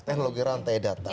teknologi rantai data